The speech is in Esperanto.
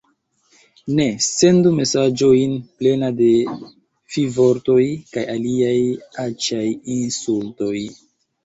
Ne sendu mesaĝojn plena de fivortoj kaj aliaj aĉaj insultoj